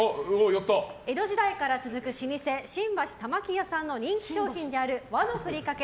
江戸時代から続く老舗新橋玉木屋さんの人気商品である和のふりかけ